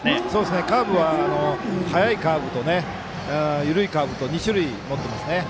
カーブは速いカーブと緩いカーブと２種類持ってますね。